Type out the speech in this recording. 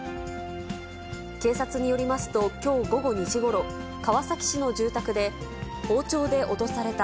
警察によりますと、きょう午後２時ごろ、川崎市の住宅で、包丁で脅された。